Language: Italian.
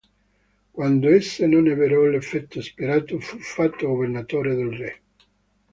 Quando esse non ebbero l'effetto sperato, fu fatto governatore del re.